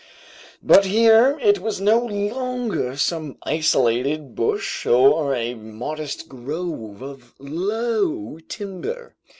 But here it was no longer some isolated bush or a modest grove of low timber.